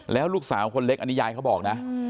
แล้วลูกสาวคนเล็กอันนี้ยายเขาบอกนะ